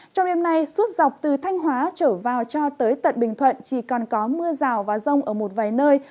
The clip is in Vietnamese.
trong đêm nay suốt dọc từ thanh hóa trở vào cho tới tận bình thuận chỉ còn có mưa rào và rông ở một vài nơi